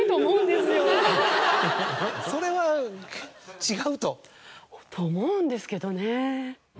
それは違うと？と思うんですけどね。